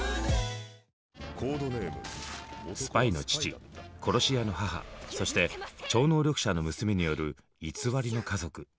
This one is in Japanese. スパイの父殺し屋の母そして超能力者の娘による偽りの家族。